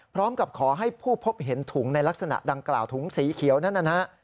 พร้อมกับขอให้ผู้พบเห็นถุงในลักษณะดังกล่าวถุงสีเขียวนั้นนะฮะ